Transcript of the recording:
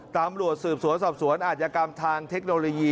ตำรวจสืบสวนสอบสวนอาจยกรรมทางเทคโนโลยี